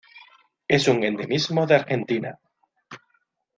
Es un endemismo de Argentina.